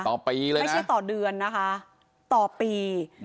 ต่อปีเลยไม่ใช่ต่อเดือนนะคะต่อปี